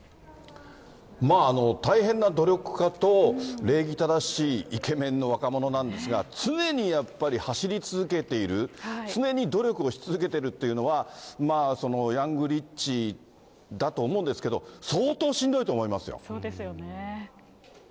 大変な努力家と、礼儀正しいイケメンの若者なんですが、常にやっぱり、走り続けている、常に努力をし続けているというのは、ヤングリッチだと思うんですそうですよね。